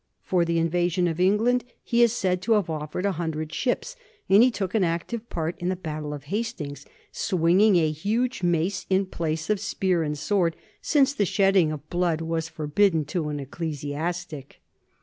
For the invasion of England he is said to have offered a hundred ships, and he took an active part in the battle of Hastings, swinging a huge mace in place of spear and sword, since the shedding of blood was for bidden to an ecclesiastic.